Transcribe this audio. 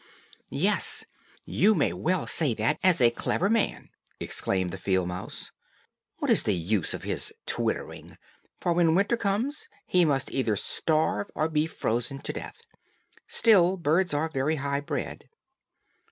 "Yes, you may well say that, as a clever man!" exclaimed the field mouse, "What is the use of his twittering, for when winter comes he must either starve or be frozen to death. Still birds are very high bred."